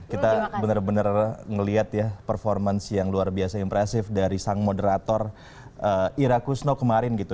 kita benar benar ngelihat ya performance yang luar biasa impresif dari sang moderator ira kusno kemarin gitu